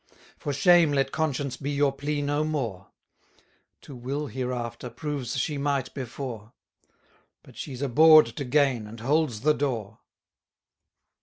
For shame let Conscience be your plea no more: To will hereafter, proves she might before; But she's a bawd to gain, and holds the door.